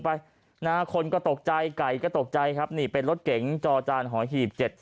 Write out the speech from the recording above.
คนก็ตกใจไก่ก็ตกใจครับนี่เป็นรถเก๋งจอจานหอยหีบ๗๔